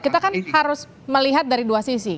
kita kan harus melihat dari dua sisi